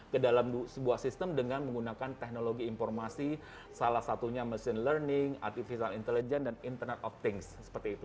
ke dalam sebuah sistem dengan menggunakan teknologi informasi salah satunya machine learning artificial intelligence dan internet of things seperti itu